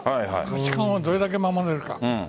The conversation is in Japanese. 八冠をどれだけ守れるか。